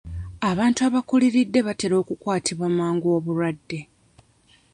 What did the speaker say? Abantu abakuliridde batera okukwatibwa amangu obulwadde.